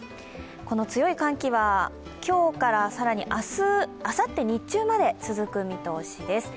この強い寒気は、今日から更に明日あさっての日中まで続く見通しです。